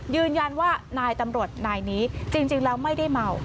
ยืนยันว่านายตำรวจนายนี้จริงแล้วไม่ได้เมา